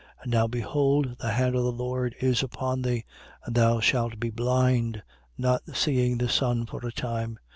13:11. And now behold, the hand of the Lord is upon thee: and thou shalt be blind, not seeing the sun for a time.